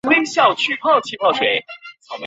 嘎达梅林人。